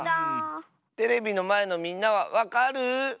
テレビのまえのみんなはわかる？